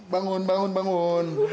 bangun bangun bangun